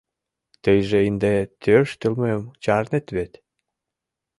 — Тыйже ынде тӧрштылмым чарнет вет?